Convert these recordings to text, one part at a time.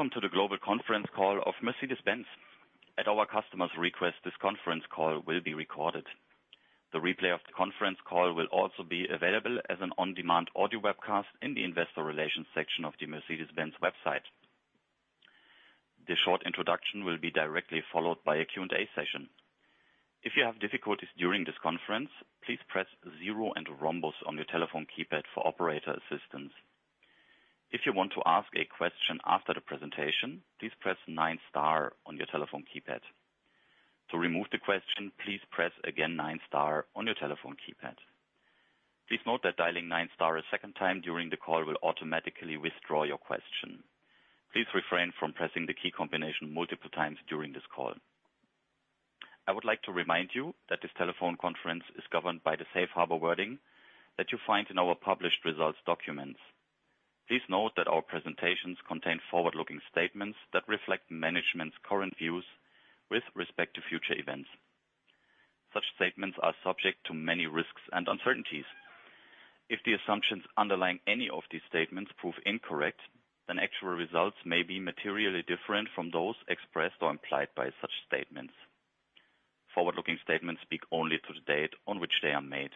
Welcome to the global conference call of Mercedes-Benz. At our customers' request, this conference call will be recorded. The replay of the conference call will also be available as an on-demand audio webcast in the investor relations section of the Mercedes-Benz website. The short introduction will be directly followed by a Q&A session. If you have difficulties during this conference, please press zero and pound on your telephone keypad for operator assistance. If you want to ask a question after the presentation, please press nine star on your telephone keypad. To remove the question, please press again nine star on your telephone keypad. Please note that dialing nine star a second time during the call will automatically withdraw your question. Please refrain from pressing the key combination multiple times during this call. I would like to remind you that this telephone conference is governed by the safe harbor wording that you find in our published results documents. Please note that our presentations contain forward-looking statements that reflect management's current views with respect to future events. Such statements are subject to many risks and uncertainties. If the assumptions underlying any of these statements prove incorrect, then actual results may be materially different from those expressed or implied by such statements. Forward-looking statements speak only to the date on which they are made.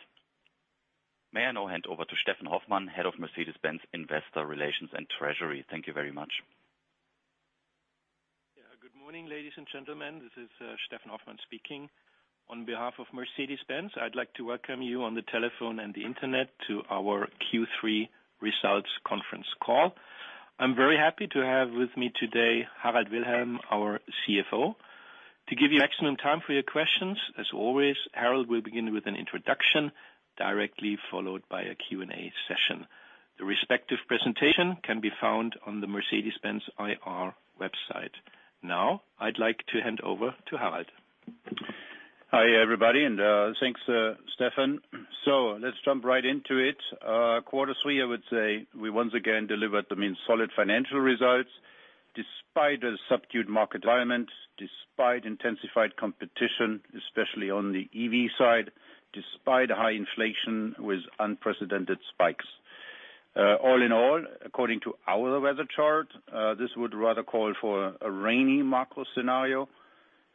May I now hand over to Steffen Hoffmann, Head of Mercedes-Benz Investor Relations and Treasury. Thank you very much. Yeah, good morning, ladies and gentlemen, this is Steffen Hoffmann speaking. On behalf of Mercedes-Benz, I'd like to welcome you on the telephone and the internet to our Q3 results conference call. I'm very happy to have with me today Harald Wilhelm, our CFO. To give you maximum time for your questions, as always, Harald will begin with an introduction, directly followed by a Q&A session. The respective presentation can be found on the Mercedes-Benz IR website. Now, I'd like to hand over to Harald. Hi, everybody, and thanks, Steffen. Let's jump right into it. Quarter three, I would say we once again delivered, I mean, solid financial results, despite a subdued market environment, despite intensified competition, especially on the EV side, despite high inflation with unprecedented spikes. All in all, according to our weather chart, this would rather call for a rainy macro scenario.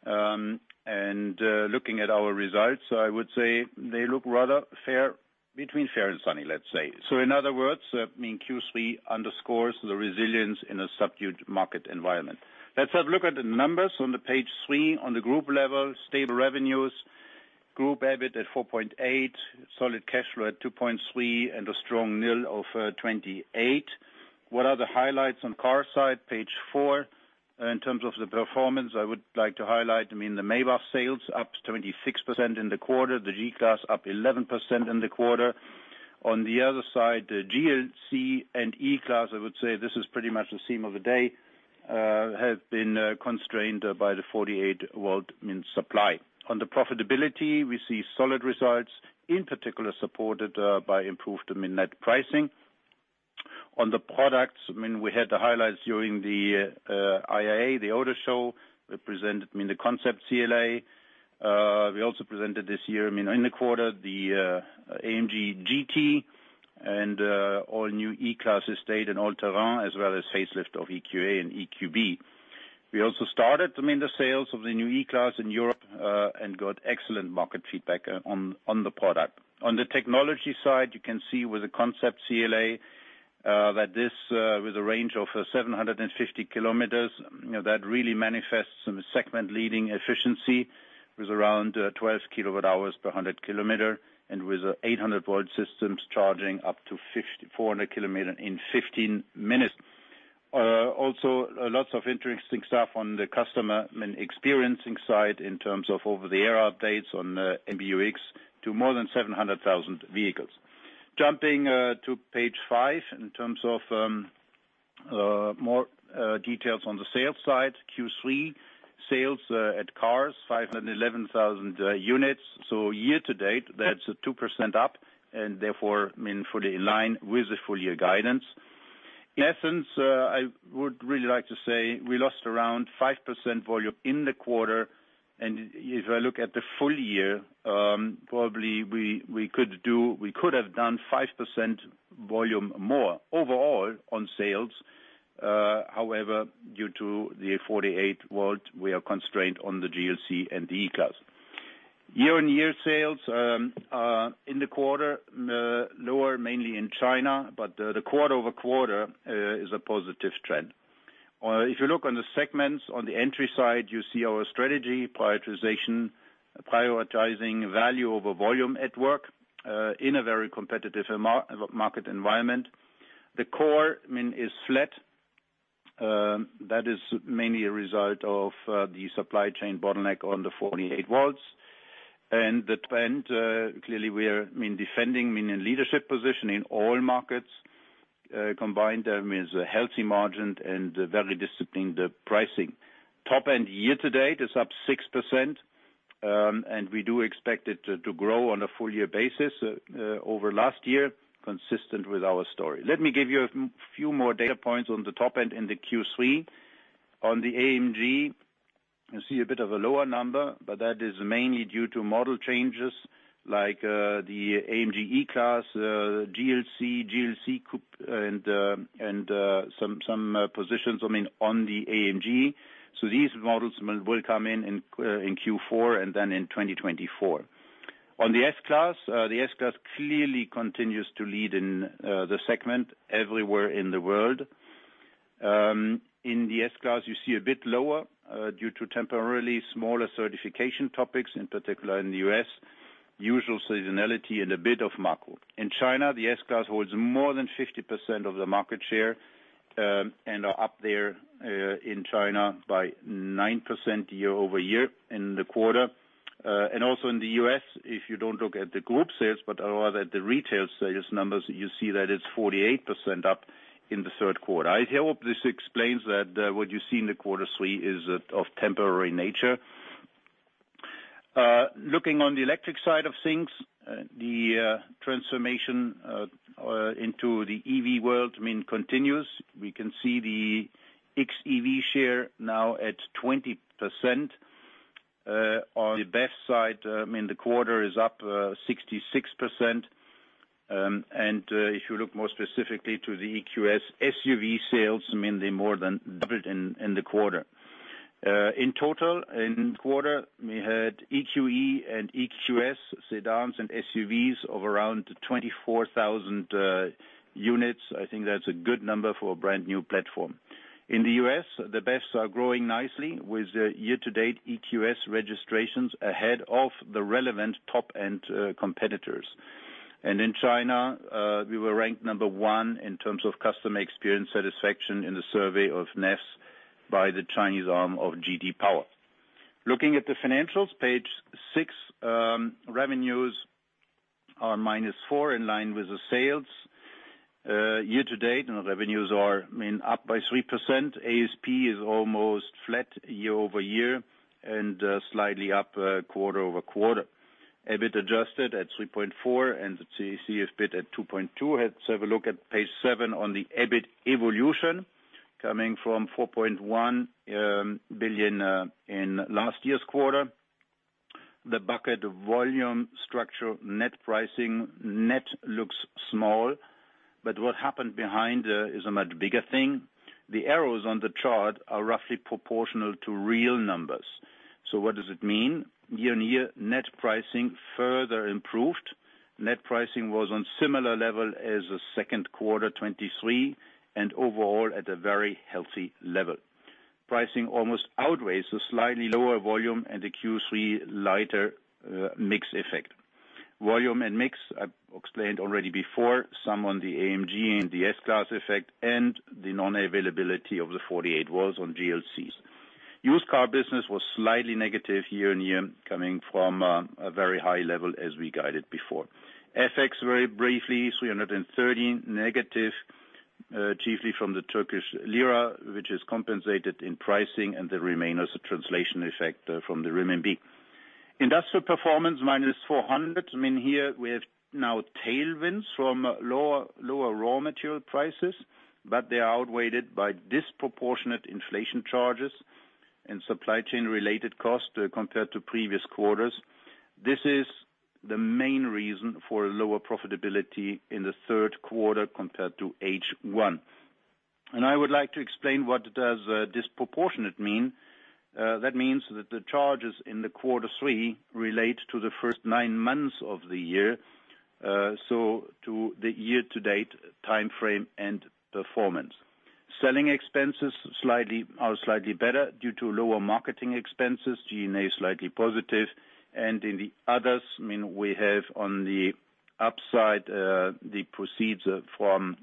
Looking at our results, I would say they look rather fair, between fair and sunny, let's say. In other words, I mean, Q3 underscores the resilience in a subdued market environment. Let's first look at the numbers on page three. On the group level, stable revenues, group EBIT at 4.8, solid cash flow at 2.3, and a strong NIL of 28. What are the highlights on car side? Page four. In terms of the performance, I would like to highlight, I mean, the Maybach sales, up 26% in the quarter, the G-Class up 11% in the quarter. On the other side, the GLC and E-Class, I would say this is pretty much the theme of the day, have been constrained by the 48-volt, I mean, supply. On the profitability, we see solid results, in particular, supported by improved, I mean, net pricing. On the products, I mean, we had the highlights during the IAA, the auto show. We presented, I mean, the Concept CLA. We also presented this year, I mean, in the quarter, the AMG GT and all new E-Class Estate and All-Terrain, as well as facelift of EQA and EQB. We also started, I mean, the sales of the new E-Class in Europe and got excellent market feedback on the product. On the technology side, you can see with the Concept CLA that this with a range of 750 km, you know, that really manifests some segment-leading efficiency, with around 12 kWh per 100 km and with an 800-volt system charging up to 400 km in 15 minutes. Also, lots of interesting stuff on the customer, I mean, experiencing side in terms of over-the-air updates on MBUX to more than 700,000 vehicles. Jumping to page 5, in terms of more details on the sales side, Q3 sales at Cars, 511,000 units. So year to date, that's 2% up, and therefore, I mean, fully in line with the full year guidance. In essence, I would really like to say we lost around 5% volume in the quarter, and if I look at the full year, probably we, we could do -- we could have done 5% volume more overall on sales. However, due to the 48-volt, we are constrained on the GLC and the E-Class. Year-on-year sales in the quarter lower, mainly in China, but the quarter-over-quarter is a positive trend. If you look on the segments on the entry side, you see our strategy, prioritization, prioritizing value over volume at work in a very competitive market environment. The core, I mean, is flat. That is mainly a result of the supply chain bottleneck on the 48-volt. The trend clearly we're defending, I mean, in leadership position in all markets combined, I mean, is a healthy margin and very disciplined pricing. Top-end year to date is up 6%, and we do expect it to grow on a full year basis over last year, consistent with our story. Let me give you a few more data points on the top end in the Q3. On the AMG. You see a bit of a lower number, but that is mainly due to model changes like the AMG E-Class, GLC, GLC Coupe, and some positions, I mean, on the AMG. So these models will come in Q4, and then in 2024. On the S-Class, the S-Class clearly continues to lead in the segment everywhere in the world. In the S-Class, you see a bit lower due to temporarily smaller certification topics, in particular in the US, usual seasonality and a bit of macro. In China, the S-Class holds more than 50% of the market share, and are up there in China by 9% year-over-year in the quarter. And also in the US, if you don't look at the group sales, but rather at the retail sales numbers, you see that it's 48% up in the Q3. I hope this explains that what you see in quarter three is of temporary nature. Looking on the electric side of things, the transformation into the EV world, I mean, continues. We can see the xEV share now at 20%. On the BEV side, in the quarter is up 66%. And if you look more specifically to the EQS SUV sales, I mean, they more than doubled in the quarter. In total, in the quarter, we had EQE and EQS sedans and SUVs of around 24,000 units. I think that's a good number for a brand-new platform. In the US, the BEVs are growing nicely, with the year-to-date EQS registrations ahead of the relevant top-end competitors. And in China, we were ranked number one in terms of customer experience satisfaction in the survey of NPS by the Chinese arm of JD Power. Looking at the financials, page six, revenues are -4%, in line with the sales. Year to date, and the revenues are, I mean, up by 3%. ASP is almost flat year-over-year, and slightly up quarter-over-quarter. EBIT adjusted at 3.4 billion, and the BIT at 2.2 billion. Let's have a look at page seven on the EBIT evolution, coming from 4.1 billion in last year's quarter. The bucket volume, structure, net pricing, net looks small, but what happened behind is a much bigger thing. The arrows on the chart are roughly proportional to real numbers. So what does it mean? Year-on-year, net pricing further improved. Net pricing was on similar level as the Q2 2023, and overall at a very healthy level. Pricing almost outweighs the slightly lower volume and the Q3 lighter mix effect. Volume and mix, I explained already before, some on the AMG and the S-Class effect, and the non-availability of the 48-volt was on GLCs. Used car business was slightly negative year-on-year, coming from a very high level as we guided before. FX, very briefly, 330 negative, chiefly from the Turkish lira, which is compensated in pricing and the remain as a translation effect from the renminbi. Industrial performance, -400. I mean, here we have now tailwinds from lower raw material prices, but they are outweighed by disproportionate inflation charges and supply chain-related costs compared to previous quarters. This is the main reason for lower profitability in the Q3 compared to H1. And I would like to explain what does disproportionate mean. That means that the charges in the quarter three relate to the first nine months of the year, so to the year-to-date time frame and performance. Selling expenses slightly are slightly better due to lower marketing expenses, G&A slightly positive, and in the others, I mean, we have on the upside the proceeds from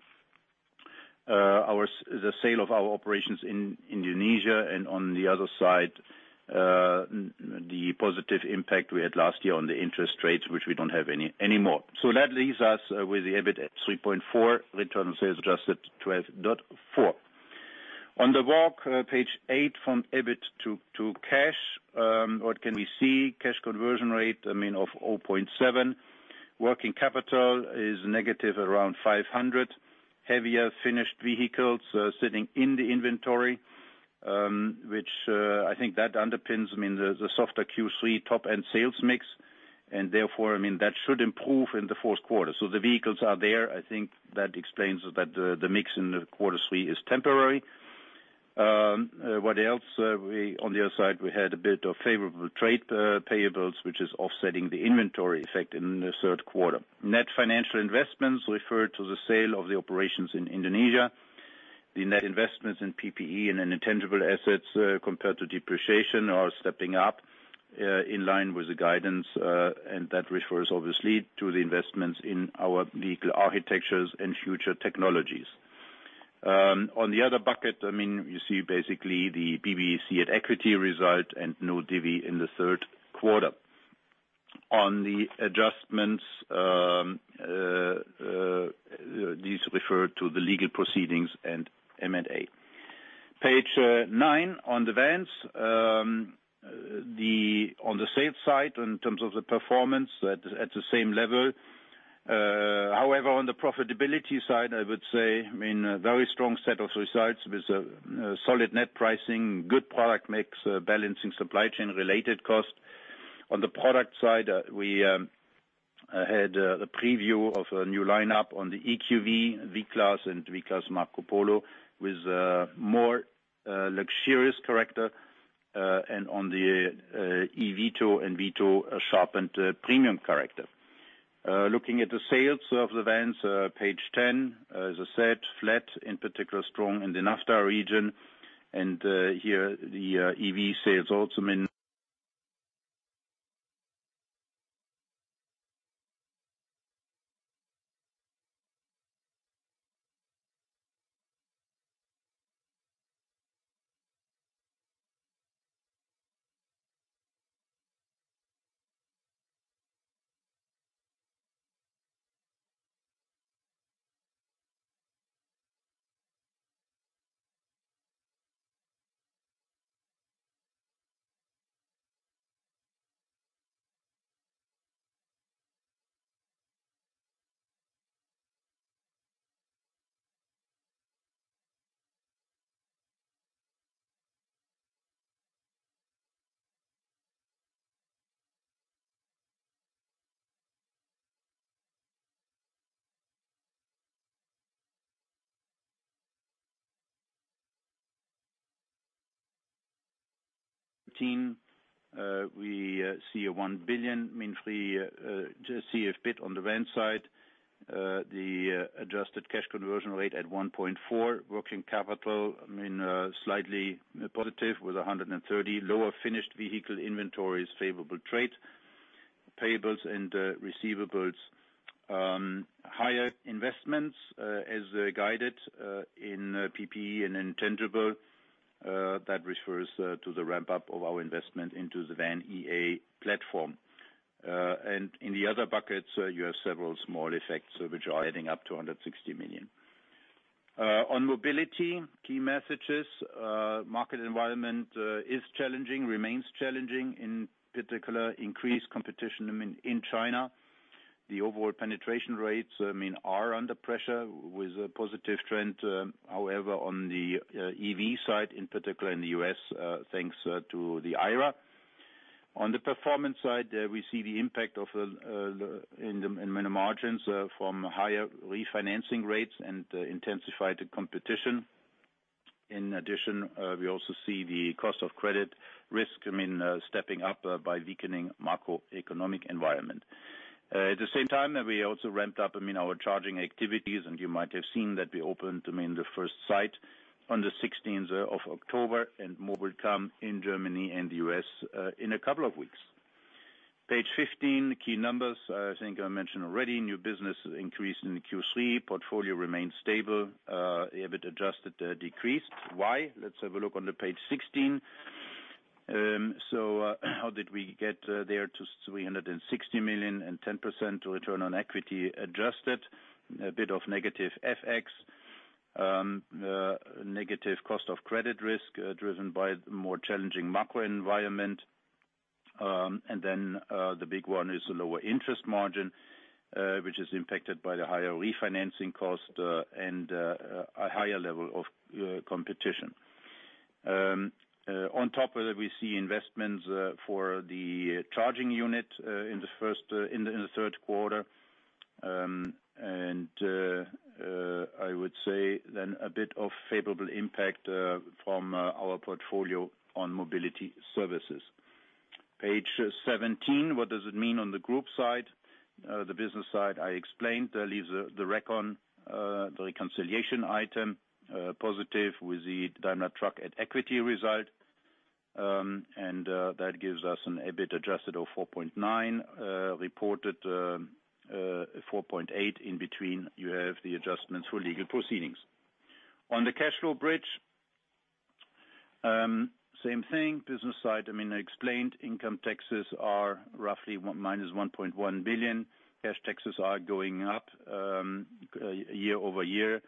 the sale of our operations in Indonesia, and on the other side the positive impact we had last year on the interest rates, which we don't have anymore. So that leaves us with the EBIT at 3.4. Return on sales adjusted to 12.4%. On the walk page 8, from EBIT to cash, what can we see? Cash conversion rate, I mean, of 0.7. Working capital is negative, around 500. Heavier finished vehicles sitting in the inventory, which I think that underpins, I mean, the softer Q3 top-end sales mix, and therefore, I mean, that should improve in the Q4. So the vehicles are there. I think that explains the mix in quarter three is temporary. What else? We, on the other side, we had a bit of favorable trade payables, which is offsetting the inventory effect in the Q3. Net financial investments refer to the sale of the operations in Indonesia. The net investments in PPE and intangible assets, compared to depreciation, are stepping up in line with the guidance, and that refers obviously to the investments in our electrical architectures and future technologies. On the other bucket, I mean, you see basically the Daimler Truck at equity result and no divi in the Q3. On the adjustments, these refer to the legal proceedings and M&A. Page nine, on the vans. On the sales side, in terms of the performance, at the same level. However, on the profitability side, I would say, I mean, a very strong set of results with solid net pricing, good product mix, balancing supply chain related costs. On the product side, we had a preview of a new lineup on the EQV, V-Class, and V-Class Marco Polo, with more luxurious character, and on the EVito and Vito, a sharpened premium character. Looking at the sales of the vans, page 10, as I said, flat, in particular, strong in the NAFTA region, and here, the EV sales also mean we see a EUR 1 billion, mainly, just see a bit on the van side. The adjusted cash conversion rate at 1.4. Working capital, I mean, slightly positive with 130 million. Lower finished vehicle inventories, favorable trade payables and receivables. Higher investments, as guided, in PPE and intangible, that refers to the ramp up of our investment into the VAN.EA platform. And in the other buckets, you have several small effects which are adding up to 160 million. On mobility, key messages, market environment is challenging, remains challenging, in particular, increased competition in China. The overall penetration rates, I mean, are under pressure with a positive trend, however, on the EV side, in particular in the U.S., thanks to the IRA. On the performance side, we see the impact of, in the, in many margins, from higher refinancing rates and intensified competition. In addition, we also see the cost of credit risk, I mean, stepping up by weakening macroeconomic environment. At the same time, we also ramped up, I mean, our charging activities, and you might have seen that we opened, I mean, the first site on the sixteenth of October, and more will come in Germany and the U.S., in a couple of weeks. Page 15, key numbers. I think I mentioned already, new business increased in the Q3. Portfolio remains stable, EBIT adjusted, decreased. Why? Let's have a look on the page 16. So, how did we get there to 360 million and 10% return on equity adjusted? A bit of negative FX, negative cost of credit risk, driven by more challenging macro environment. And then, the big one is the lower interest margin, which is impacted by the higher refinancing cost, and a higher level of, competition. On top of that, we see investments for the charging unit in the Q3. And, I would say then a bit of favorable impact from our portfolio on mobility services. Page 17. What does it mean on the group side? The business side, I explained. That leaves the recon, the reconciliation item, positive with the Daimler Truck at-equity result. And that gives us an EBIT adjusted of 4.9 billion, reported, 4.8 billion. In between, you have the adjustments for legal proceedings. On the cash flow bridge, same thing. Business side, I mean, I explained income taxes are roughly -1.1 billion. Cash taxes are going up, year-over-year,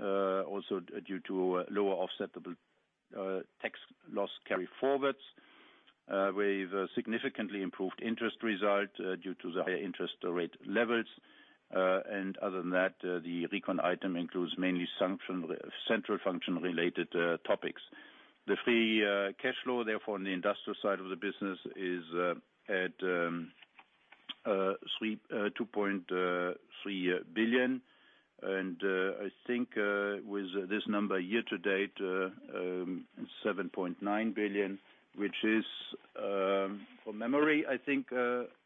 also due to lower offsettable, tax loss carry forwards. We've a significantly improved interest result, due to the higher interest rate levels. And other than that, the recon item includes mainly function, central function-related, topics. The free cash flow, therefore, in the industrial side of the business is at 3.2 billion. I think with this number, year to date, 7.9 billion, which is from memory, I think,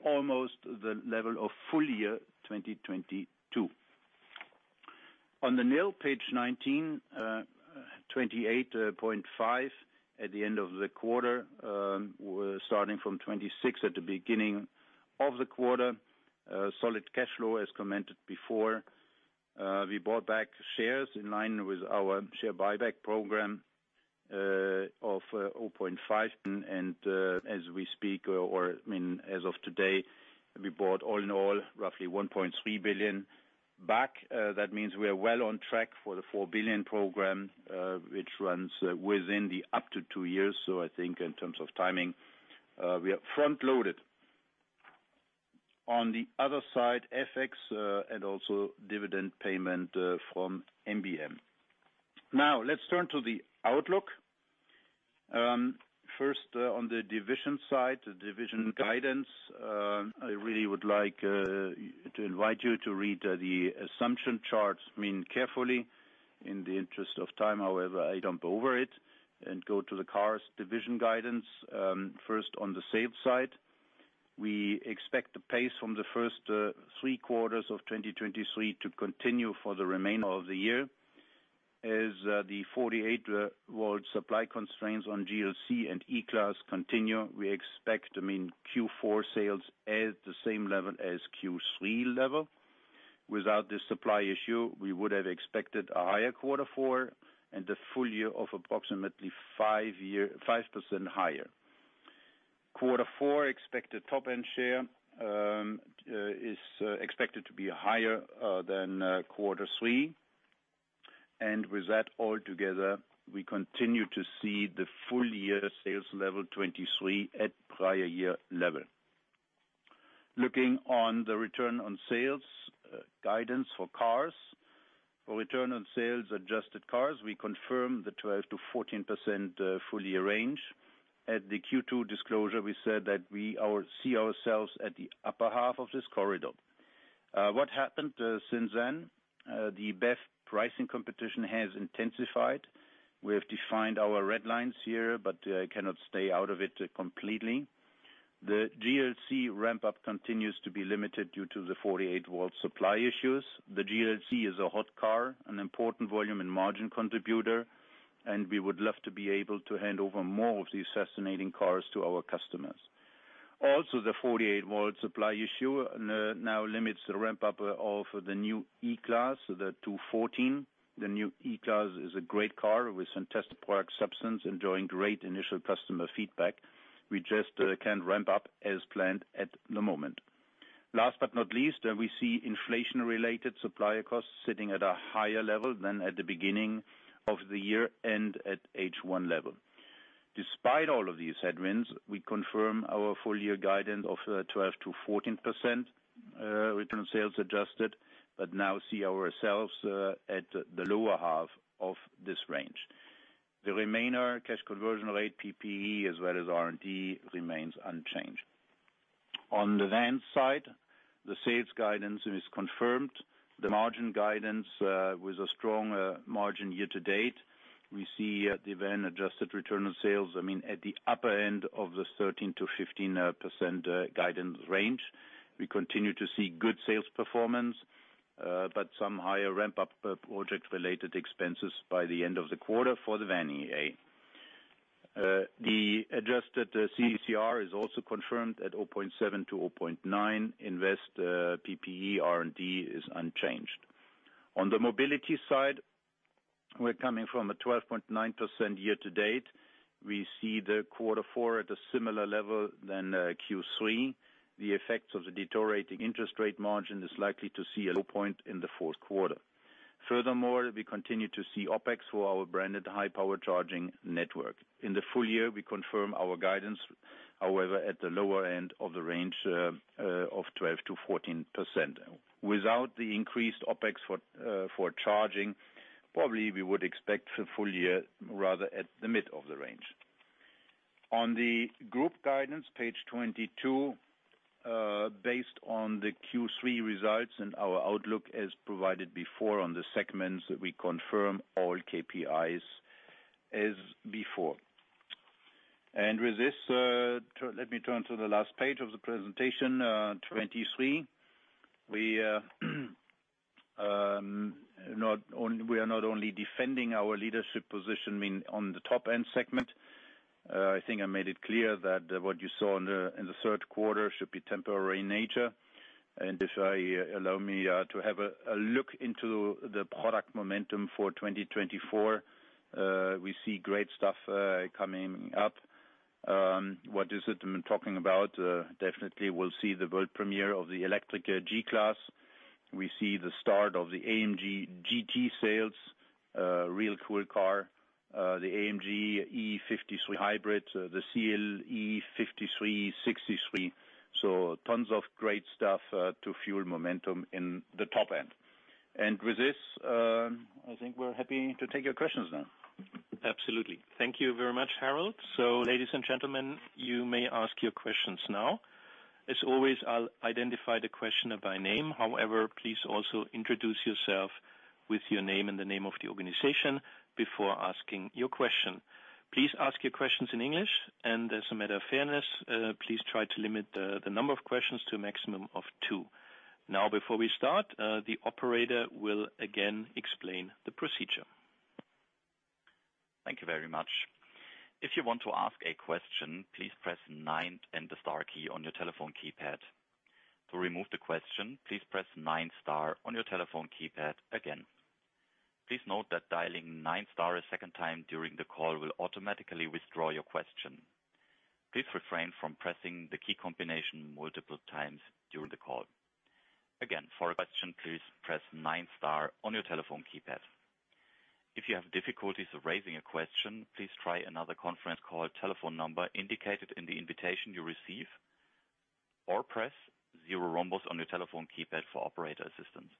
almost the level of full year 2022. On the NIL, page 19, 28.5 billion at the end of the quarter. We're starting from 26 billion at the beginning of the quarter. Solid cash flow, as commented before. We bought back shares in line with our share buyback program of 0.5 billion. As we speak, or, I mean, as of today, we bought all in all, roughly 1.3 billion.... back, that means we are well on track for the 4 billion program, which runs within the up to 2 years. So I think in terms of timing, we are front-loaded. On the other side, FX and also dividend payment from MBM. Now let's turn to the outlook. First, on the division side, the division guidance, I really would like to invite you to read the assumption charts, I mean, carefully. In the interest of time, however, I jump over it and go to the cars division guidance. First, on the sales side, we expect the pace from the first three quarters of 2023 to continue for the remainder of the year. As the 48-volt supply constraints on GLC and E-Class continue, we expect, I mean, Q4 sales at the same level as Q3 level. Without this supply issue, we would have expected a higher quarter four and a full year of approximately 5% higher. Quarter four expected top-end share is expected to be higher than quarter three. And with that all together, we continue to see the full year sales level 2023 at prior year level. Looking on the return on sales guidance for cars. For return on sales adjusted cars, we confirm the 12%-14% full year range. At the Q2 disclosure, we said that we see ourselves at the upper half of this corridor. What happened since then? The BEV pricing competition has intensified. We have defined our red lines here, but cannot stay out of it completely. The GLC ramp-up continues to be limited due to the 48-volt supply issues. The GLC is a hot car, an important volume and margin contributor, and we would love to be able to hand over more of these fascinating cars to our customers. Also, the 48-volt supply issue now limits the ramp-up of the new E-Class, the 214. The new E-Class is a great car with fantastic product substance, enjoying great initial customer feedback. We just can't ramp up as planned at the moment. Last, but not least, we see inflation-related supplier costs sitting at a higher level than at the beginning of the year and at H1 level. Despite all of these headwinds, we confirm our full year guidance of 12%-14% return on sales adjusted, but now see ourselves at the lower half of this range. The remainder cash conversion rate, PPE, as well as R&D, remains unchanged. On the van side, the sales guidance is confirmed. The margin guidance, with a strong margin year to date, we see the van adjusted return on sales, I mean, at the upper end of the 13%-15% guidance range. We continue to see good sales performance, but some higher ramp-up project-related expenses by the end of the quarter for the VAN.EA. The adjusted CCR is also confirmed at 0.7-0.9. Investment PPE, R&D is unchanged. On the mobility side, we're coming from a 12.9% year to date. We see the quarter four at a similar level than Q3. The effects of the deteriorating interest rate margin is likely to see a low point in the Q4. Furthermore, we continue to see OpEx for our branded high-power charging network. In the full year, we confirm our guidance, however, at the lower end of the range, of 12%-14%. Without the increased OpEx for, for charging, probably we would expect the full year, rather at the mid of the range. On the group guidance, page 22, based on the Q3 results and our outlook as provided before on the segments, we confirm all KPIs as before. And with this, let me turn to the last page of the presentation, 23. We are not only defending our leadership position, I mean, on the top-end segment. I think I made it clear that, what you saw in the, in the Q3 should be temporary in nature. And if I allow me, to have a, a look into the product momentum for 2024. We see great stuff coming up. What is it I'm talking about? Definitely, we'll see the world premiere of the electric G-Class. We see the start of the AMG GT sales. Real cool car, the AMG E 53 Hybrid, the CLE 53, 63. So tons of great stuff to fuel momentum in the top end. And with this, I think we're happy to take your questions now. Absolutely. Thank you very much, Harald. So, ladies and gentlemen, you may ask your questions now. As always, I'll identify the questioner by name. However, please also introduce yourself with your name and the name of the organization before asking your question. Please ask your questions in English, and as a matter of fairness, please try to limit the number of questions to a maximum of two. Now, before we start, the operator will again explain the procedure. Thank you very much. If you want to ask a question, please press nine and the star key on your telephone keypad. To remove the question, please press nine star on your telephone keypad again. ... Please note that dialing nine star a second time during the call will automatically withdraw your question. Please refrain from pressing the key combination multiple times during the call. Again, for a question, please press nine star on your telephone keypad. If you have difficulties of raising a question, please try another conference call telephone number indicated in the invitation you received, or press zero rhombus on your telephone keypad for operator assistance.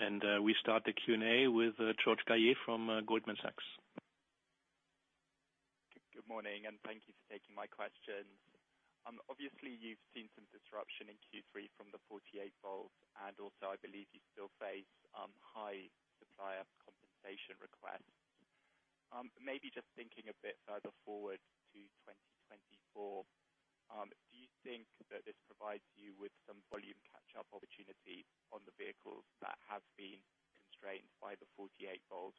And we start the Q&A with George Galliers from Goldman Sachs. Good morning, and thank you for taking my questions. Obviously, you've seen some disruption in Q3 from the 48-volt, and also, I believe you still face high supplier compensation requests. Maybe just thinking a bit further forward to 2024, do you think that this provides you with some volume catch-up opportunity on the vehicles that have been constrained by the 48-volt?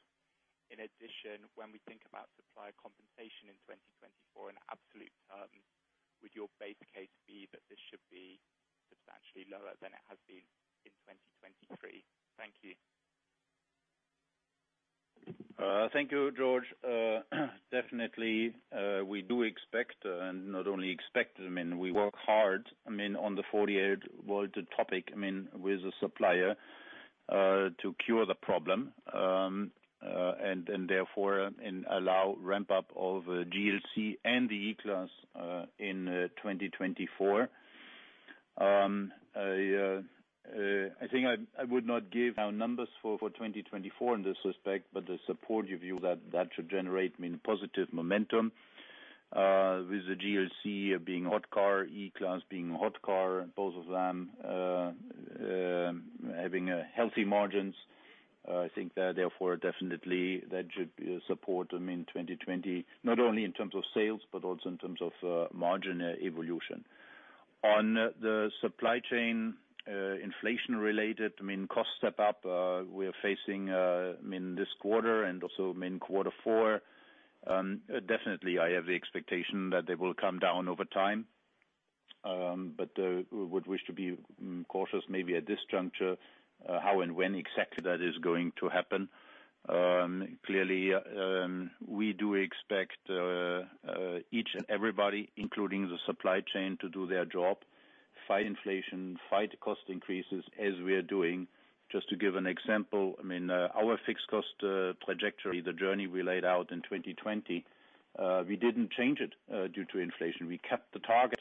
In addition, when we think about supplier compensation in 2024 in absolute terms, would your base case be that this should be substantially lower than it has been in 2023? Thank you. Thank you, George. Definitely, we do expect, and not only expect, I mean, we work hard, I mean, on the 48-volt topic, I mean, with the supplier, to cure the problem. And therefore, and allow ramp up of, GLC and the E-Class, in 2024. I think I would not give our numbers for 2024 in this respect, but the supportive view that that should generate, I mean, positive momentum, with the GLC being hot car, E-Class being hot car, both of them, having healthy margins. I think that therefore definitely that should support, I mean, 2024, not only in terms of sales, but also in terms of margin evolution. On the supply chain, inflation related, I mean, costs step up, we are facing this quarter and also in quarter four. Definitely, I have the expectation that they will come down over time. But we would wish to be cautious maybe at this juncture, how and when exactly that is going to happen. Clearly, we do expect each and everybody, including the supply chain, to do their job, fight inflation, fight cost increases, as we are doing. Just to give an example, I mean, our fixed cost trajectory, the journey we laid out in 2020, we didn't change it due to inflation. We kept the target,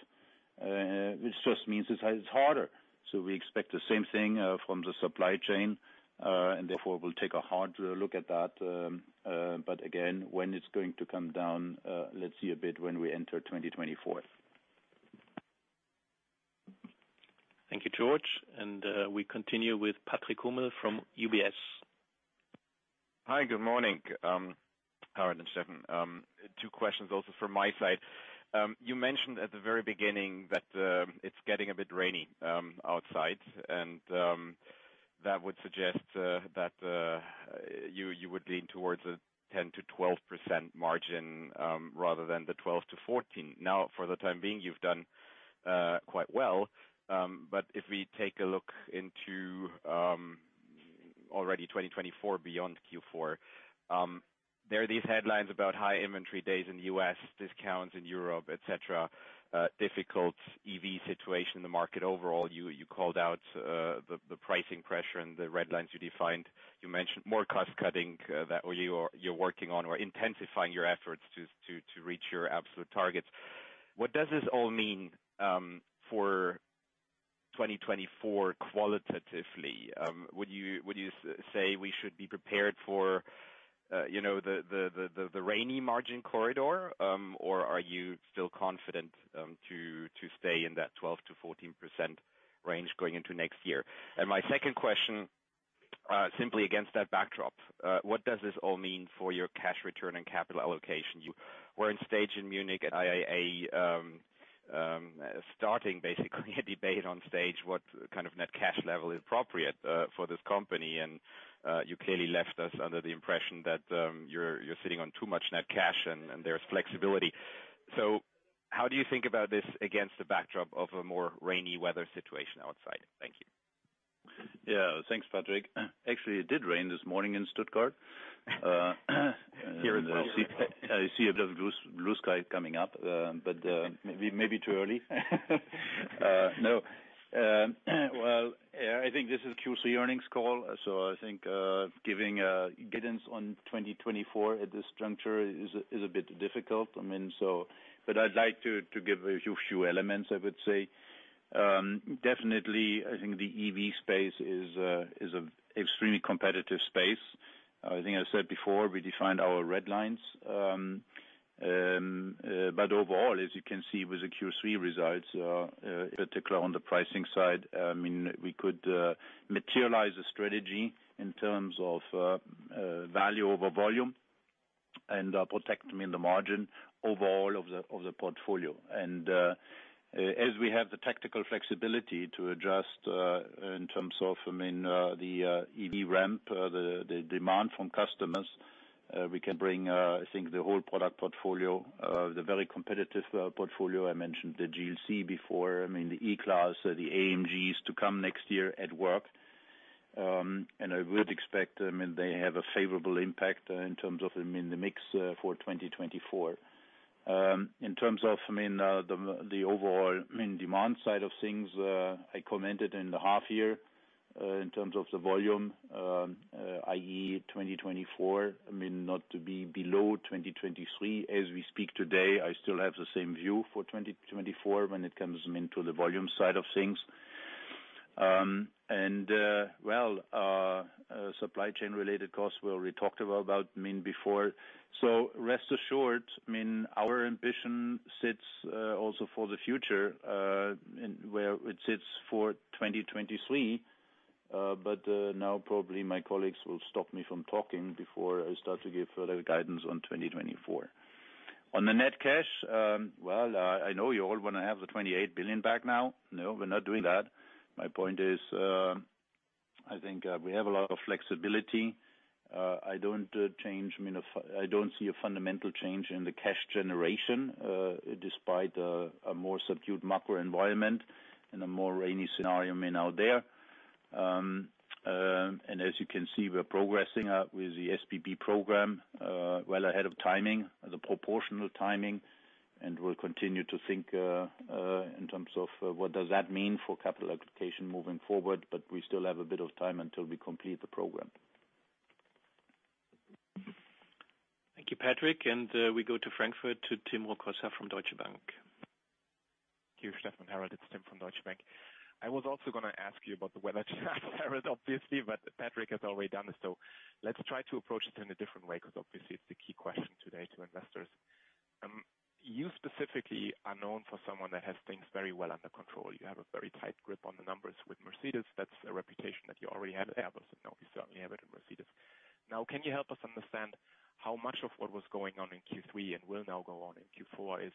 which just means it's harder. So we expect the same thing from the supply chain, and therefore we'll take a hard look at that. But again, when it's going to come down, let's see a bit when we enter 2024. Thank you, George. We continue with Patrick Hummel from UBS. Hi, good morning, Harald and Steffen. Two questions also from my side. You mentioned at the very beginning that it's getting a bit rainy outside, and that would suggest that you would lean towards a 10%-12% margin rather than the 12%-14%. Now, for the time being, you've done quite well, but if we take a look into already 2024 beyond Q4, there are these headlines about high inventory days in the U.S., discounts in Europe, et cetera, difficult EV situation in the market overall. You called out the pricing pressure and the red lines you defined. You mentioned more cost-cutting that you are working on or intensifying your efforts to reach your absolute targets. What does this all mean for 2024 qualitatively? Would you say we should be prepared for, you know, the rainy margin corridor? Or are you still confident to stay in that 12%-14% range going into next year? And my second question, simply against that backdrop, what does this all mean for your cash return and capital allocation? You were on stage in Munich at IAA, starting basically a debate on stage, what kind of net cash level is appropriate for this company, and you clearly left us under the impression that you're sitting on too much net cash, and there's flexibility. So how do you think about this against the backdrop of a more rainy weather situation outside? Thank you. Yeah. Thanks, Patrick. Actually, it did rain this morning in Stuttgart. Here as well. I see a bit of blue, blue sky coming up, but maybe too early. No, well, I think this is Q3 earnings call, so I think giving guidance on 2024 at this juncture is a bit difficult. I mean, so... But I'd like to give a few elements, I would say. Definitely, I think the EV space is an extremely competitive space. I think I said before, we defined our red lines. But overall, as you can see with the Q3 results, particularly on the pricing side, I mean, we could materialize a strategy in terms of value over volume and protect, I mean, the margin overall of the portfolio. As we have the tactical flexibility to adjust in terms of, I mean, the EV ramp, the demand from customers, we can bring, I think, the whole product portfolio, the very competitive portfolio. I mentioned the GLC before, I mean, the E-Class, the AMGs to come next year at work. I would expect, I mean, they have a favorable impact in terms of, I mean, the mix for 2024. In terms of, I mean, the overall, I mean, demand side of things, I commented in the half year in terms of the volume, i.e., 2024, I mean, not to be below 2023. As we speak today, I still have the same view for 2024 when it comes, I mean, to the volume side of things. And, supply chain-related costs, we already talked about, I mean, before. So rest assured, I mean, our ambition sits also for the future, and where it sits for 2023. But now probably my colleagues will stop me from talking before I start to give further guidance on 2024. On the net cash, well, I know you all want to have the 28 billion back now. No, we're not doing that. My point is, I think we have a lot of flexibility. I don't change, I mean, I don't see a fundamental change in the cash generation, despite a more subdued macro environment and a more rainy scenario, I mean, out there. As you can see, we're progressing with the SBB program well ahead of timing, the proportional timing, and we'll continue to think in terms of what does that mean for capital allocation moving forward, but we still have a bit of time until we complete the program. Thank you, Patrick, and we go to Frankfurt, to Tim Rokossa from Deutsche Bank. Thank you, Steffen, Harald. It's Tim from Deutsche Bank. I was also going to ask you about the weather obviously, but Patrick has already done this, so let's try to approach it in a different way, because obviously it's the key question today to investors. You specifically are known for someone that has things very well under control. You have a very tight grip on the numbers with Mercedes. That's a reputation that you already had at Amazon. Now, you certainly have it in Mercedes. Now, can you help us understand how much of what was going on in Q3 and will now go on in Q4 is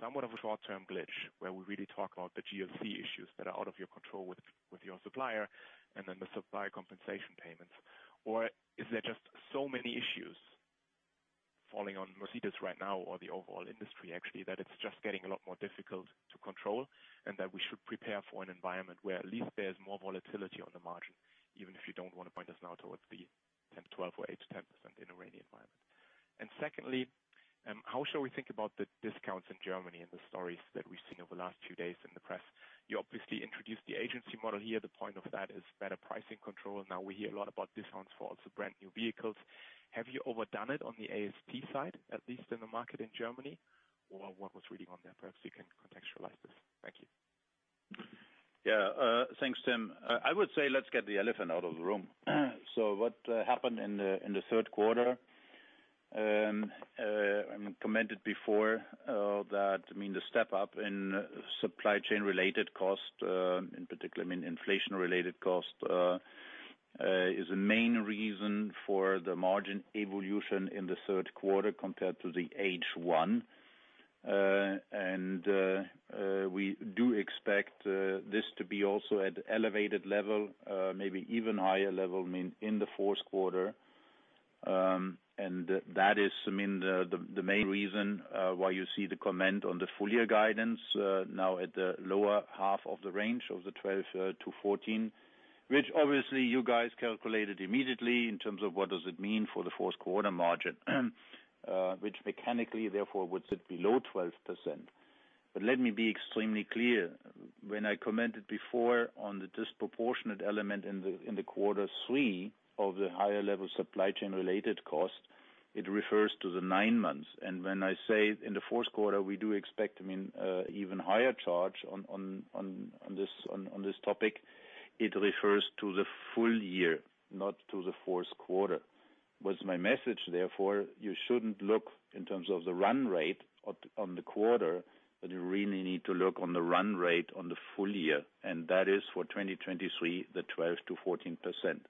somewhat of a short-term glitch, where we really talk about the GLC issues that are out of your control with, with your supplier and then the supplier compensation payments? Or is there just so many issues falling on Mercedes right now, or the overall industry, actually, that it's just getting a lot more difficult to control, and that we should prepare for an environment where at least there's more volatility on the margin, even if you don't want to point us now towards the 10-12 or 8-10% in a rainy environment. And secondly, how should we think about the discounts in Germany and the stories that we've seen over the last few days in the press? You obviously introduced the agency model here. The point of that is better pricing control. Now we hear a lot about discounts for also brand-new vehicles. Have you overdone it on the ASP side, at least in the market in Germany, or what was really going on there? Perhaps you can contextualize this. Thank you. Yeah, thanks, Tim. I would say let's get the elephant out of the room. So what happened in the Q3, I commented before, that, I mean, the step up in supply chain-related cost, in particular, I mean, inflation-related cost, is the main reason for the margin evolution in the Q3 compared to the H1. And we do expect this to be also at elevated level, maybe even higher level, I mean, in the Q4. And that is, I mean, the main reason why you see the comment on the full year guidance, now at the lower half of the range of the 12-14. Which obviously you guys calculated immediately in terms of what does it mean for the Q4 margin, which mechanically, therefore, would sit below 12%. But let me be extremely clear. When I commented before on the disproportionate element in the, in the quarter three of the higher level supply chain-related costs, it refers to the nine months. And when I say in the Q4, we do expect, I mean, even higher charge on this topic, it refers to the full year, not to the Q4. What's my message, therefore, you shouldn't look in terms of the run rate on the quarter, but you really need to look on the run rate on the full year, and that is for 2023, the 12%-14%.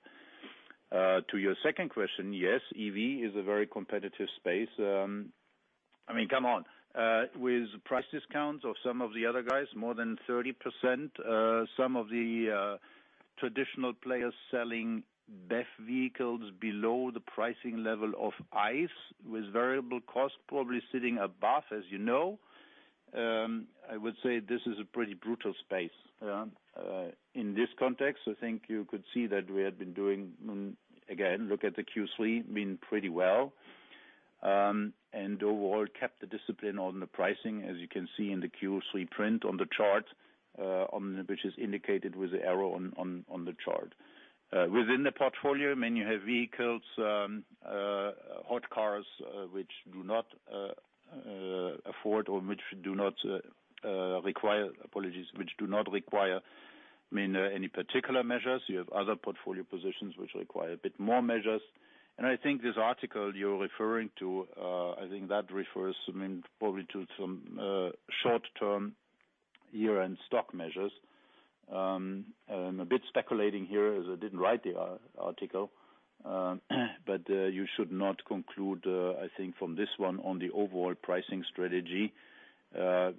To your second question, yes, EV is a very competitive space. I mean, come on, with price discounts or some of the other guys, more than 30%, some of the traditional players selling BEV vehicles below the pricing level of ICE, with variable costs probably sitting above, as you know. I would say this is a pretty brutal space. In this context, I think you could see that we had been doing... Again, look at the Q3, I mean, pretty well. And overall kept the discipline on the pricing, as you can see in the Q3 print on the chart, on the chart. Within the portfolio, I mean, you have vehicles, hot cars, which do not afford or which do not require, apologies, which do not require, I mean, any particular measures. You have other portfolio positions, which require a bit more measures. And I think this article you're referring to, I think that refers, I mean, probably to some short-term year-end stock measures. I'm a bit speculating here, as I didn't write the article, but you should not conclude, I think from this one on the overall pricing strategy,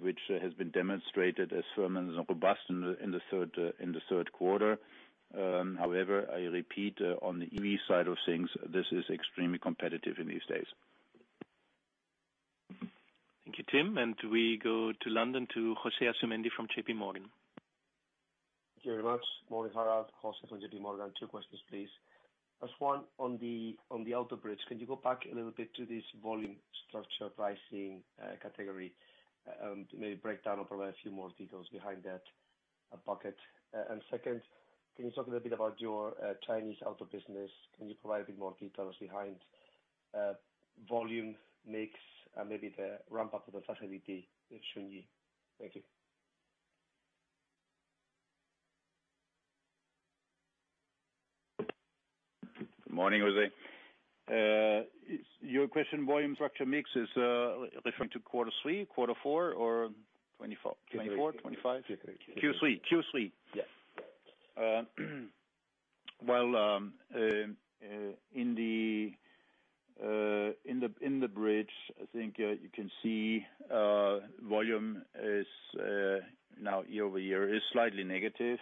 which has been demonstrated as firm and robust in the Q3. However, I repeat, on the EV side of things, this is extremely competitive in these days. Thank you, Tim. And we go to London, to José Asumendi from JP Morgan. Thank you very much. Morning, Harald. José from JP Morgan. Two questions, please. First one, on the auto bridge, can you go back a little bit to this volume structure, pricing, category, to maybe break down or provide a few more details behind that pocket? And second, can you talk a little bit about your Chinese auto business? Can you provide a bit more details behind volume, mix, and maybe the ramp up of the facility in Shenyang? Thank you. Good morning, José. Is your question volume structure mix referring to quarter three, quarter four, or 2024, 2024, 2025? Q3. Q3, yes. Well, in the bridge, I think you can see volume is now year-over-year slightly negative.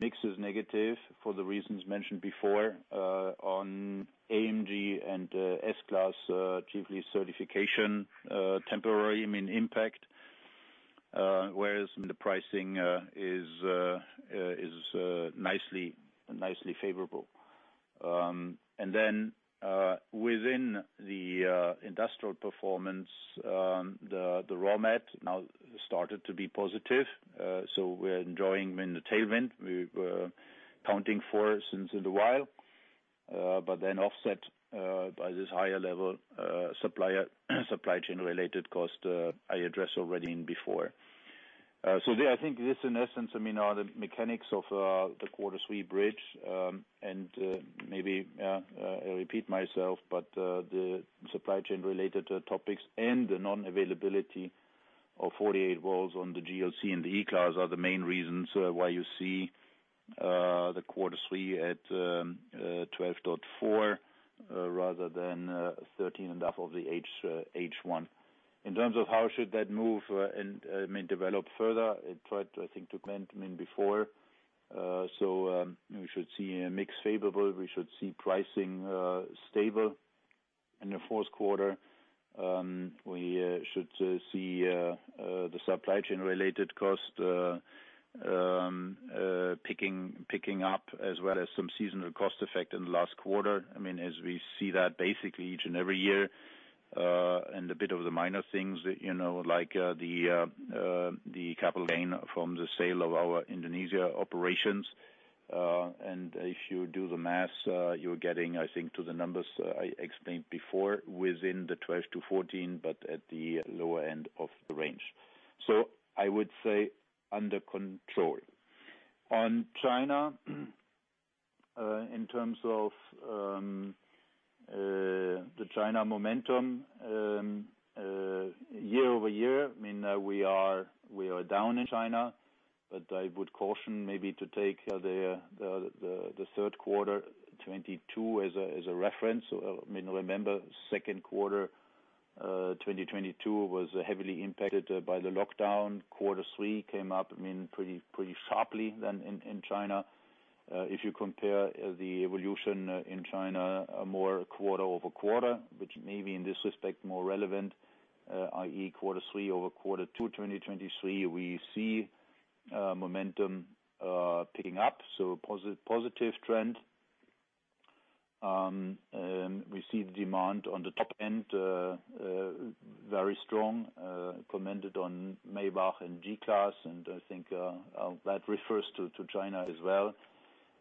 Mix is negative for the reasons mentioned before, on AMG and S-Class, chiefly certification, temporary margin impact, whereas the pricing is nicely favorable. And then, within the industrial performance, the raw materials now started to be positive. So we're enjoying the tailwind we were counting on for a while, but then offset by this higher level supplier supply chain-related costs I addressed already before. So there, I think this, in essence, I mean, are the mechanics of the quarter three bridge. Maybe I repeat myself, but the supply-chain-related topics and the non-availability of 48-volt on the GLC and the E-Class are the main reasons why you see the quarter three at 12.4 rather than 13.5 of the H1. In terms of how should that move and may develop further, I tried, I think, to comment before. So, we should see a mix favorable. We should see pricing stable in the Q4. We should see the supply chain-related cost picking up, as well as some seasonal cost effect in the last quarter. I mean, as we see that basically each and every year, and a bit of the minor things, you know, like, the capital gain from the sale of our Indonesia operations. And if you do the math, you're getting, I think, to the numbers I explained before, within the 12-14, but at the lower end of the range. So I would say under control. On China, in terms of the China momentum, year-over-year, I mean, we are, we are down in China, but I would caution maybe to take the Q3, 2022 as a reference. I mean, remember, Q2, 2022 was heavily impacted by the lockdown. Quarter three came up, I mean, pretty, pretty sharply than in China. If you compare the evolution in China more quarter-over-quarter, which may be in this respect more relevant, i.e., quarter 3 over quarter 2, 2023, we see momentum picking up, so positive trend. We see the demand on the top end very strong, commented on Maybach and G-Class, and I think that refers to China as well.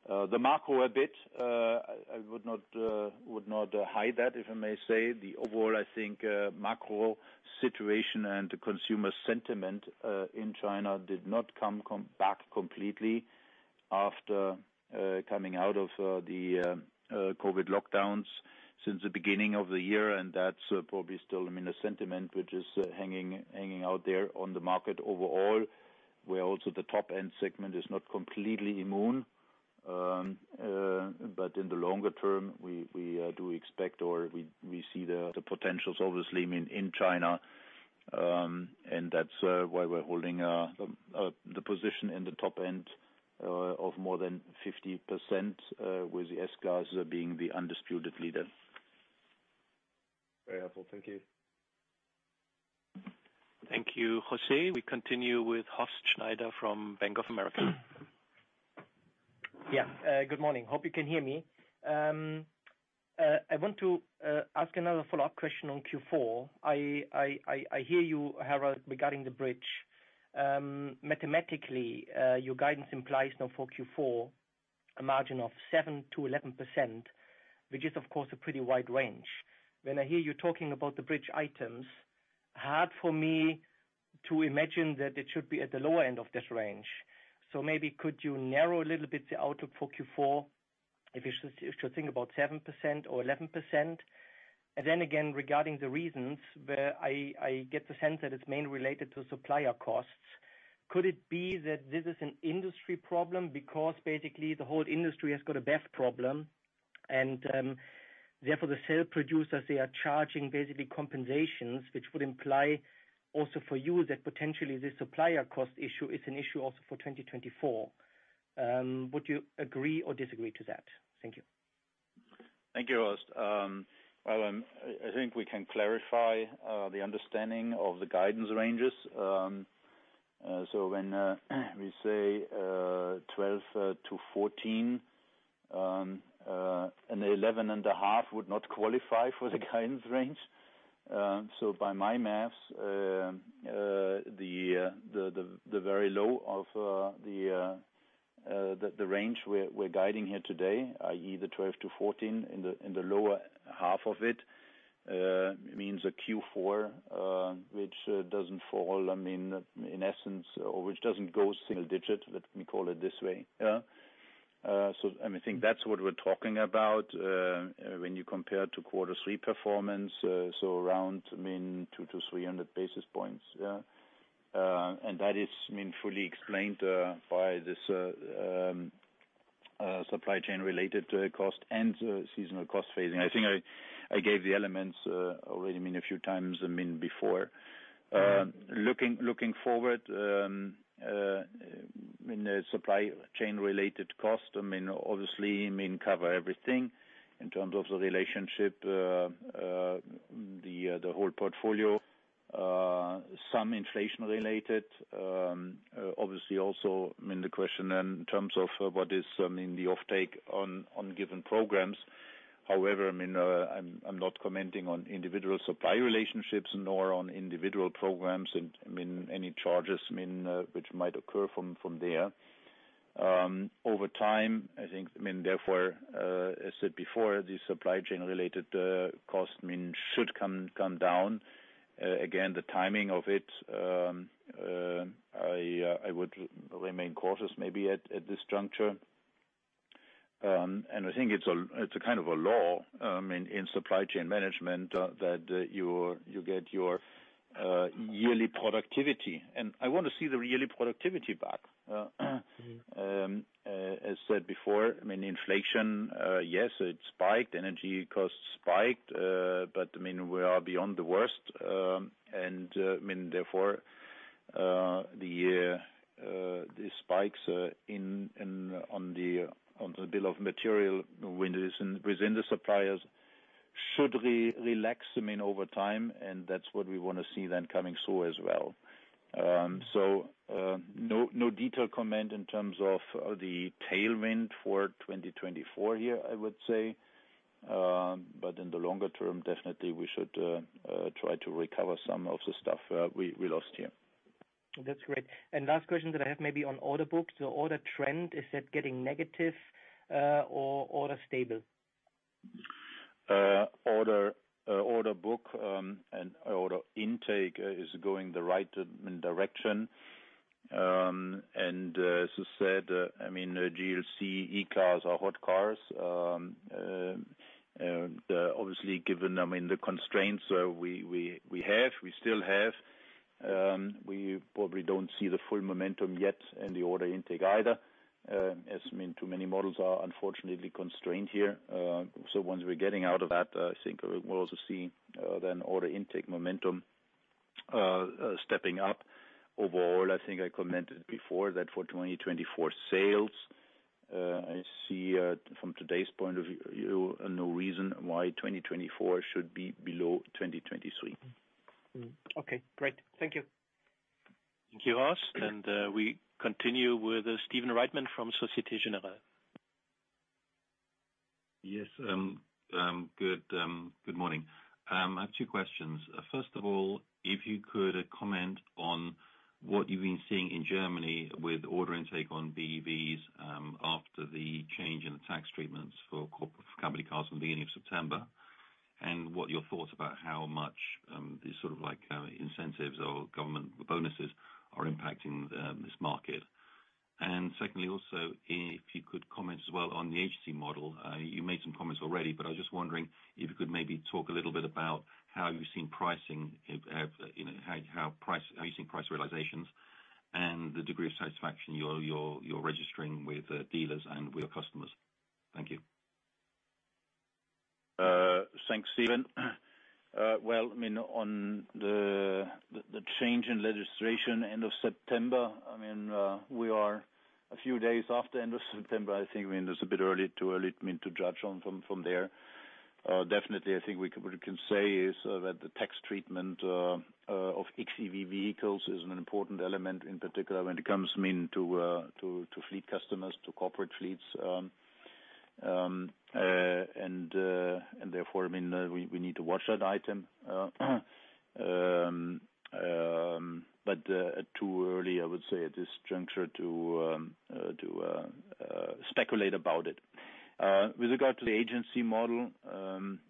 The macro a bit, I would not hide that, if I may say. The overall, I think, macro situation and the consumer sentiment in China did not come back completely after coming out of the COVID lockdowns since the beginning of the year. That's probably still, I mean, a sentiment which is hanging out there on the market overall, where also the top-end segment is not completely immune. But in the longer term, we do expect or we see the potentials, obviously, in China. And that's why we're holding the position in the top end of more than 50% with the S-Class being the undisputed leader. Very helpful. Thank you. Thank you, José. We continue with Horst Schneider from Bank of America. Yeah, good morning. Hope you can hear me. I want to ask another follow-up question on Q4. I hear you, Harald, regarding the bridge. Mathematically, your guidance implies now for Q4, a margin of 7%-11%, which is, of course, a pretty wide range. When I hear you talking about the bridge items, hard for me to imagine that it should be at the lower end of this range. So maybe could you narrow a little bit the outlook for Q4, if you think about 7% or 11%? And then again, regarding the reasons, where I get the sense that it's mainly related to supplier costs. Could it be that this is an industry problem? Because basically, the whole industry has got a BEV problem, and therefore the sale producers, they are charging basically compensations, which would imply also for you that potentially the supplier cost issue is an issue also for 2024. Would you agree or disagree to that? Thank you. Thank you, Horst. Well, I think we can clarify the understanding of the guidance ranges. So when we say 12-14, and 11.5 would not qualify for the guidance range. So by my maths, the very low of the range we're guiding here today, i.e., the 12-14, in the lower half of it, means a Q4 which doesn't fall, I mean, in essence, or which doesn't go single digit, but we call it this way, yeah. So, and I think that's what we're talking about when you compare to quarter three performance, so around, I mean, 200-300 basis points, yeah. And that is, I mean, fully explained by this supply chain related to the cost and seasonal cost phasing. I think I gave the elements already, I mean, a few times, I mean, before. Looking forward, I mean, the supply chain related cost, I mean, obviously, I mean, cover everything in terms of the relationship, the whole portfolio, some inflation related. Obviously, also, I mean, the question then, in terms of what is, I mean, the offtake on given programs. However, I mean, I'm not commenting on individual supply relationships, nor on individual programs and, I mean, any charges, I mean, which might occur from there. Over time, I think, I mean, therefore, as said before, the supply chain related cost, I mean, should come down. Again, the timing of it, I would remain cautious maybe at this juncture. And I think it's a kind of a law in supply chain management that you get your yearly productivity. And I want to see the yearly productivity back. As said before, I mean, inflation, yes, it spiked, energy costs spiked, but, I mean, we are beyond the worst. And, I mean, therefore, the spikes in the bill of material, when it is within the suppliers, should relax, I mean, over time, and that's what we want to see then coming through as well. So, no detailed comment in terms of the tailwind for 2024 here, I would say. But in the longer term, definitely we should try to recover some of the stuff we lost here. That's great. And last question that I have maybe on order books. The order trend, is that getting negative, or order stable? Order book and order intake is going the right direction. And as I said, I mean, GLC e-cars are hot cars. Obviously, given the constraints we have, we still have, we probably don't see the full momentum yet in the order intake either. As I mean, too many models are unfortunately constrained here. So once we're getting out of that, I think we'll also see then order intake momentum stepping up. Overall, I think I commented before that for 2024 sales, I see from today's point of view, no reason why 2024 should be below 2023. Okay, great. Thank you. Thank you, Horst. We continue with Stephen Reitman from Société Générale. Yes. Good morning. I have two questions. First of all, if you could comment on what you've been seeing in Germany with order intake on BEVs, after the change in the tax treatments for company cars from the beginning of September, and what are your thoughts about how much the sort of, like, incentives or government bonuses are impacting this market? And secondly, also, if you could comment as well on the agency model. You made some comments already, but I was just wondering if you could maybe talk a little bit about how you've seen pricing, you know, how you've seen price realizations and the degree of satisfaction you're registering with dealers and with your customers. Thank you. Thanks, Stephen. Well, I mean, on the change in legislation end of September, I mean, we are a few days after end of September. I think, I mean, it's a bit early, too early, I mean, to judge on from there. Definitely, I think we can say is that the tax treatment of xEV vehicles is an important element, in particular, when it comes, I mean, to fleet customers, to corporate fleets. And therefore, I mean, we need to watch that item. But too early, I would say, at this juncture to speculate about it. With regard to the agency model,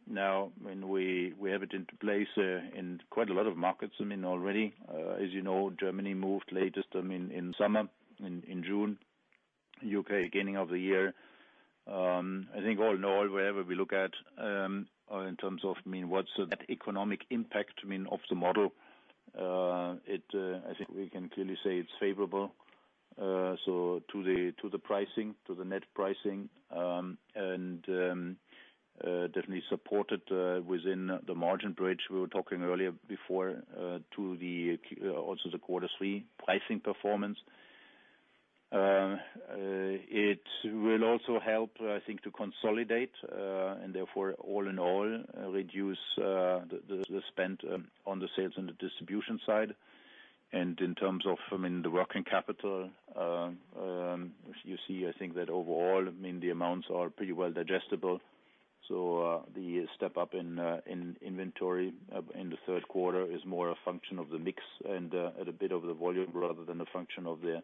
now, when we have it in place, in quite a lot of markets, I mean, already. As you know, Germany moved latest, in summer, in June. U.K. going in the year. I think all in all, wherever we look at, in terms of, I mean, what's the economic impact, I mean, of the model? I think we can clearly say it's favorable. So to the pricing, to the net pricing, and definitely supported within the margin bridge we were talking earlier before, to the Q3 also the quarter three pricing performance. It will also help, I think, to consolidate, and therefore, all in all, reduce the spend on the sales and the distribution side. In terms of, I mean, the working capital, you see, I think that overall, I mean, the amounts are pretty well digestible. The step up in inventory in the Q3 is more a function of the mix and a bit of the volume rather than a function of the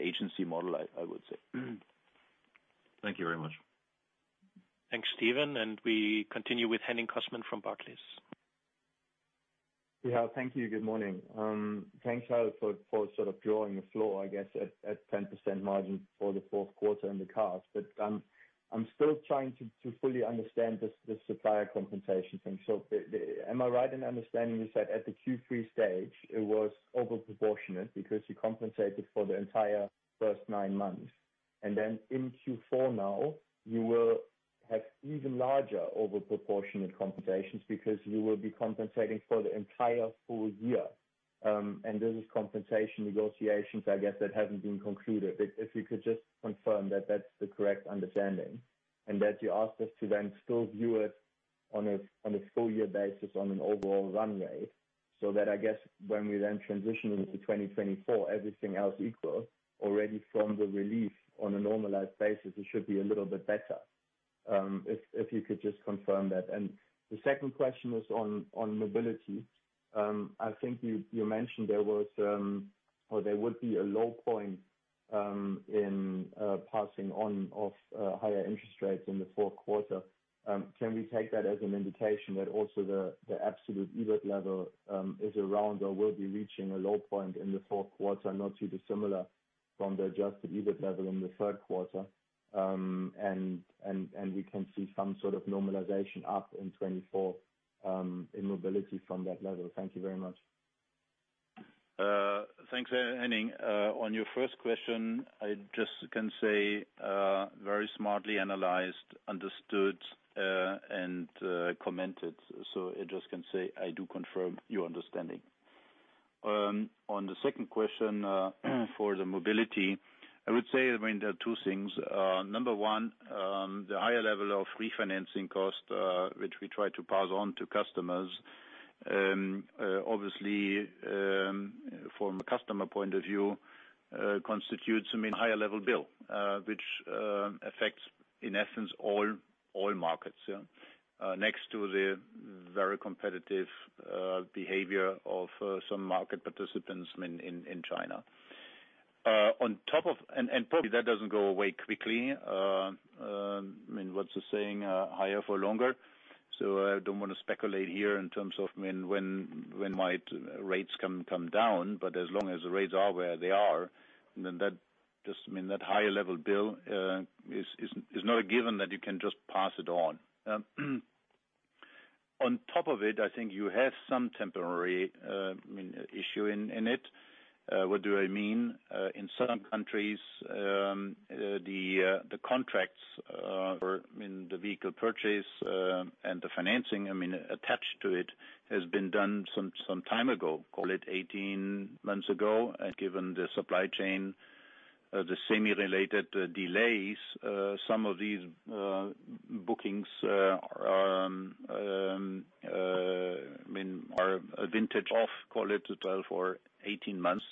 agency model, I would say. Thank you very much. Thanks, Stephen. We continue with Henning Cosman from Barclays. Yeah, thank you. Good morning. Thanks, Harald, for sort of drawing the floor, I guess, at 10% margin for the Q4 in the cars. But, I'm still trying to fully understand this, the supplier compensation thing. So, am I right in understanding you said at the Q3 stage it was over proportionate because you compensated for the entire first nine months, and then in Q4 now, you will have even larger over proportionate compensations, because you will be compensating for the entire full year. And this is compensation negotiations, I guess, that haven't been concluded. If you could just confirm that that's the correct understanding, and that you ask us to then still view it on a full year basis, on an overall runway. So that, I guess, when we then transition into 2024, everything else equal, already from the release on a normalized basis, it should be a little bit better. If you could just confirm that. And the second question was on mobility. I think you mentioned there was or there would be a low point in passing on of higher interest rates in the Q4. Can we take that as an indication that also the absolute EBIT level is around or will be reaching a low point in the Q4, not too dissimilar from the adjusted EBIT level in the Q3? And we can see some sort of normalization up in 2024 in mobility from that level. Thank you very much. Thanks, Henning. On your first question, I just can say, very smartly analyzed, understood, and commented. So I just can say I do confirm your understanding. On the second question, for the mobility, I would say, I mean, there are two things. Number one, the higher level of refinancing costs, which we try to pass on to customers, obviously, from a customer point of view, constitutes, I mean, higher level bill, which affects, in essence, all markets, yeah. Next to the very competitive behavior of some market participants in China. On top of... And probably that doesn't go away quickly. I mean, what's the saying? Higher for longer. So I don't want to speculate here in terms of, I mean, when might rates come down, but as long as the rates are where they are, then that just mean that higher level bill is not a given that you can just pass it on. On top of it, I think you have some temporary, I mean, issue in it. What do I mean? In certain countries, the contracts, or I mean, the vehicle purchase, and the financing, I mean, attached to it, has been done some time ago, call it 18 months ago, and given the supply chain, the semi-related delays, some of these bookings, I mean, are of a vintage of, call it, total of 18 months,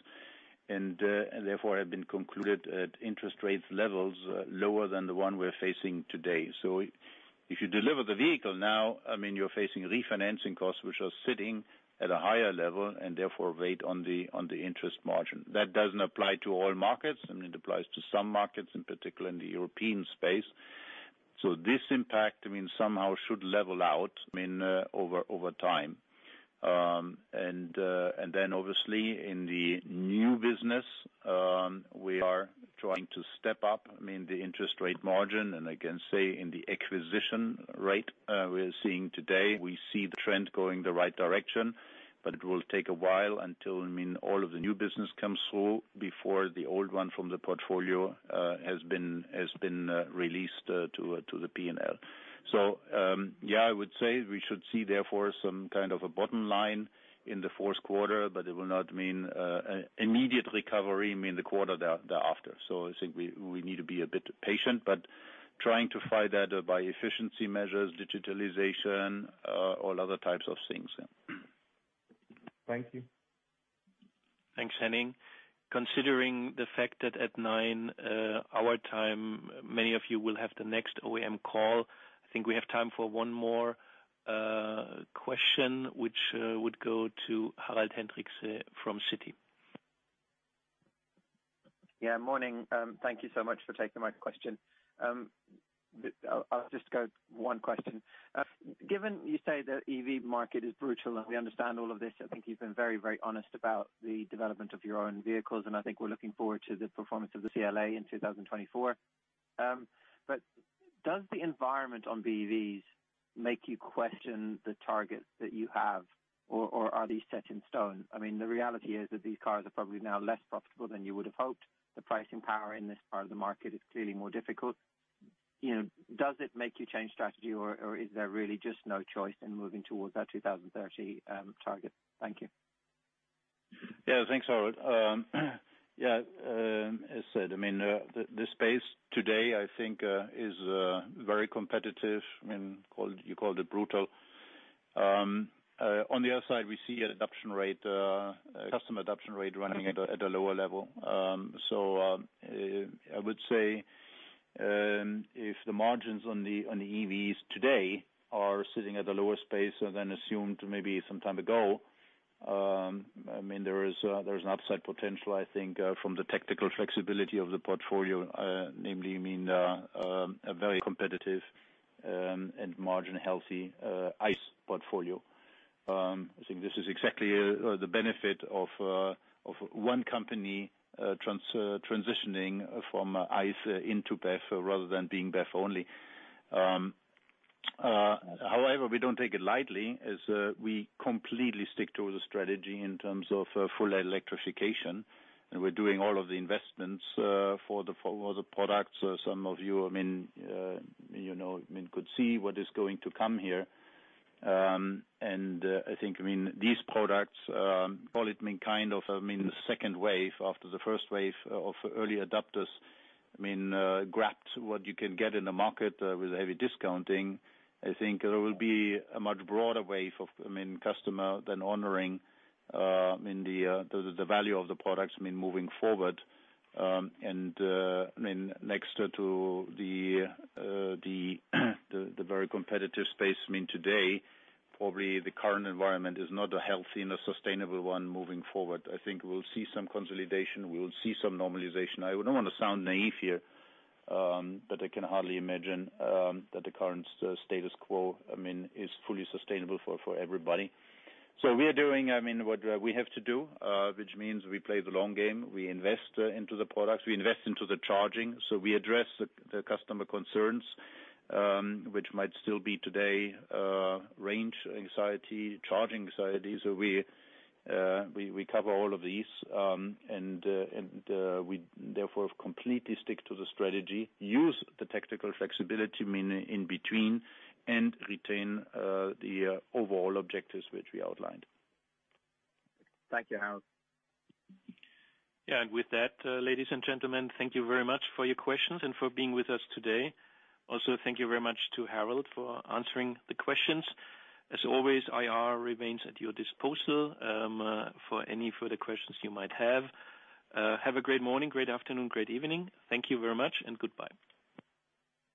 and therefore have been concluded at interest rates levels lower than the one we're facing today. So if you deliver the vehicle now, I mean, you're facing refinancing costs, which are sitting at a higher level and therefore weigh on the interest margin. That doesn't apply to all markets, and it applies to some markets, in particular in the European space. So this impact, I mean, somehow should level out, I mean, over time. And then obviously in the new business, we are trying to step up, I mean, the interest rate margin, and I can say in the acquisition rate, we're seeing today, we see the trend going the right direction, but it will take a while until, I mean, all of the new business comes through before the old one from the portfolio has been released to the P&L. So, yeah, I would say we should see therefore some kind of a bottom line in the Q4, but it will not mean immediate recovery, I mean, the quarter thereafter. So I think we need to be a bit patient, but trying to fight that by efficiency measures, digitalization, all other types of things. Thank you. Thanks, Henning. Considering the fact that at nine our time, many of you will have the next OEM call, I think we have time for one more question, which would go to Harald Hendrikse from Citi. Yeah, morning. Thank you so much for taking my question. I'll, I'll just go one question. Given you say the EV market is brutal, and we understand all of this, I think you've been very, very honest about the development of your own vehicles, and I think we're looking forward to the performance of the CLA in 2024. But does the environment on BEVs make you question the targets that you have, or, or are these set in stone? I mean, the reality is that these cars are probably now less profitable than you would have hoped. The pricing power in this part of the market is clearly more difficult. You know, does it make you change strategy, or, or is there really just no choice in moving towards that 2030 target? Thank you. Yeah, thanks, Harald. Yeah, as said, I mean, the space today, I think, is very competitive, I mean, you called it brutal. On the other side, we see an adoption rate, customer adoption rate running at a lower level. So, I would say, if the margins on the EVs today are sitting at a lower space than assumed maybe some time ago, I mean, there is an upside potential, I think, from the technical flexibility of the portfolio, namely, I mean, a very competitive and margin-healthy ICE portfolio. I think this is exactly the benefit of one company transitioning from ICE into BEV, rather than being BEV only. However, we don't take it lightly, as we completely stick to the strategy in terms of full electrification, and we're doing all of the investments for the products. Some of you, I mean, you know, I mean, could see what is going to come here. I think, I mean, these products, call it, I mean, kind of, I mean, the second wave after the first wave of early adopters, I mean, grabbed what you can get in the market with heavy discounting. I think there will be a much broader wave of, I mean, customer than honoring, I mean, the value of the products, I mean, moving forward. And, I mean, next to the very competitive space, I mean, today, probably the current environment is not a healthy and a sustainable one moving forward. I think we'll see some consolidation. We'll see some normalization. I don't want to sound naive here, but I can hardly imagine that the current status quo, I mean, is fully sustainable for everybody. So we are doing, I mean, what we have to do, which means we play the long game. We invest into the products, we invest into the charging. So we address the customer concerns, which might still be today, range anxiety, charging anxiety. So we cover all of these, and we therefore completely stick to the strategy, use the technical flexibility, I mean, in between, and retain the overall objectives which we outlined. Thank you, Harald. Yeah, and with that, ladies and gentlemen, thank you very much for your questions and for being with us today. Also, thank you very much to Harald for answering the questions. As always, IR remains at your disposal for any further questions you might have. Have a great morning, great afternoon, great evening. Thank you very much, and goodbye.